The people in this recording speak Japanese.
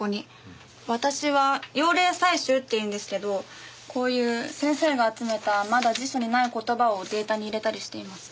私は用例採集っていうんですけどこういう先生が集めたまだ辞書にない言葉をデータに入れたりしています。